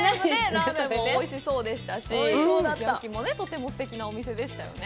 ラーメンもおいしそうでしたし、すき焼きもとてもすてきなお店でしたよね。